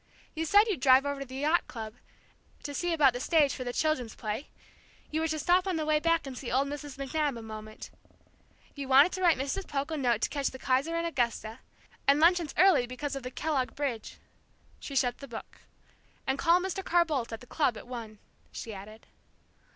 You said you'd drive to the yacht club, to see about the stage for the children's play; you were to stop on the way back and see old Mrs. McNab a moment. You wanted to write Mrs. Polk a note to catch the 'Kaiserin Augusta', and luncheon's early because of the Kellogg bridge." She shut the book. "And call Mr. Carr Boldt at the club at one," she added.